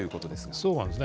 そうなんですね。